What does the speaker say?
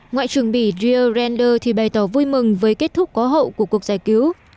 ngoại trưởng bì dio render thì bày tỏ vui mừng với kết thúc có hậu của cuộc giải cứu